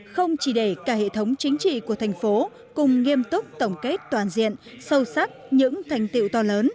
không chỉ để cả hệ thống chính trị của thành phố cùng nghiêm túc tổng kết toàn diện sâu sắc những thành tiệu to lớn